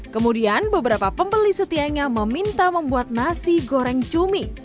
kemudian beberapa pembeli setianya meminta membuat nasi goreng cumi